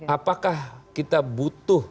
apakah kita butuh